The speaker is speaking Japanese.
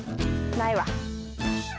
ないわ。